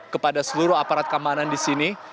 kepada seluruh aparat keamanan di sini